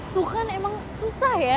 tuh kan emang susah ya